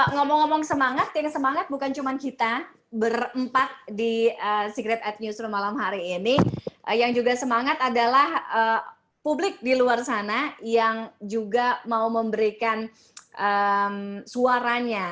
ngomong ngomong semangat yang semangat bukan cuma kita berempat di secret ad newsroom malam hari ini yang juga semangat adalah publik di luar sana yang juga mau memberikan suaranya